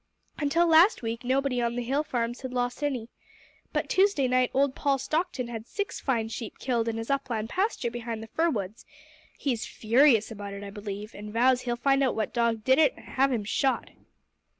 "Until last week nobody on the Hill farms had lost any. But Tuesday night old Paul Stockton had six fine sheep killed in his upland pasture behind the fir woods. He is furious about it, I believe, and vows he'll find out what dog did it and have him shot."